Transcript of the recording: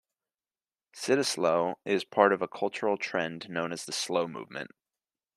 Cittaslow is part of a cultural trend known as the slow movement.